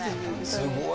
すごい。